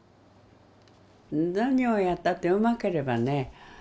何をやったってうまければね